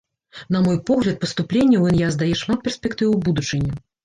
На мой погляд, паступленне ў ін'яз дае шмат перспектыў у будучыні.